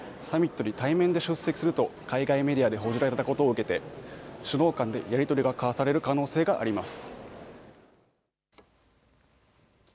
また、ウクライナのゼレンスキー大統領が日本を訪問しサミットに対面で出席すると海外メディアで報じられたことを受けて首脳間でやり取りが交わされる可能性があります。